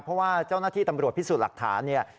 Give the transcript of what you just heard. เพราะว่าเจ้าหน้าที่ตำรวจพิสูจน์หลักฐานเนี่ย